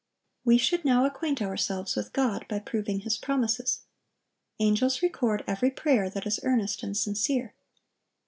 We should now acquaint ourselves with God by proving His promises. Angels record every prayer that is earnest and sincere.